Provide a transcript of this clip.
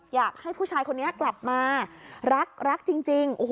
อยากให้ผู้ชายคนนี้กลับมารักรักจริง